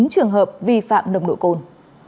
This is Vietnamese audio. sáu một trăm một mươi chín trường hợp vi phạm nồng độ cồn